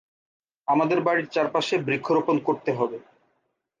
আমাদের বাড়ির চারপাশে বৃক্ষরোপণ করতে হবে।